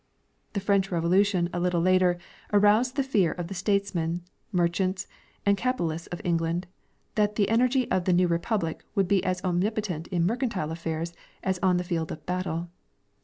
The French revolution a 8 G. G. Hubbard — IVte Evolution of Commerce. little later aroused the fear of the statesmen, merchants,' and capitalists of England that the energy of the new republic would be as omnipotent in mercantile affairs as on the field of battle.